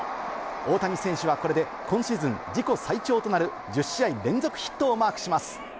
大谷選手はこれで今シーズン自己最長となる１０試合連続ヒットをマークします。